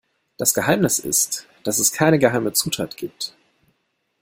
Das Geheimnis ist, dass es keine geheime Zutat gibt.